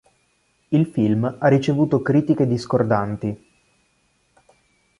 Il film ha ricevuto critiche discordanti.